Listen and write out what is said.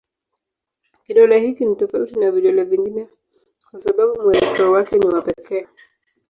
Kidole hiki ni tofauti na vidole vingine kwa sababu mwelekeo wake ni wa pekee.